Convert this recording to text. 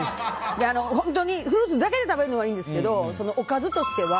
本当にフルーツだけで食べるのはいいんですけどおかずとしては。